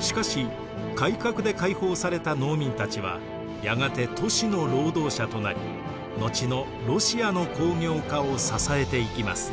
しかし改革で解放された農民たちはやがて都市の労働者となり後のロシアの工業化を支えていきます。